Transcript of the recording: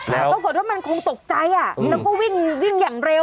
แต่ปรากฏว่ามันคงตกใจแล้วก็วิ่งอย่างเร็ว